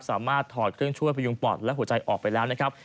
ถอดเครื่องช่วยพยุงปอดและหัวใจออกไปแล้วนะครับ